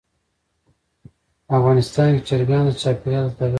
افغانستان کې چرګان د چاپېریال د تغیر نښه ده.